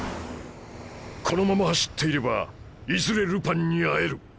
このまま走っていればいずれルパンに会える。